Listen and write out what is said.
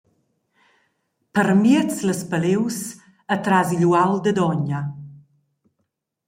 Permiez las palius e tras igl uaul dad ogna.